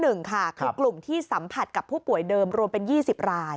หนึ่งค่ะคือกลุ่มที่สัมผัสกับผู้ป่วยเดิมรวมเป็น๒๐ราย